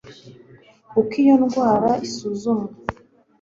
uko iyo ndwra isuzumwa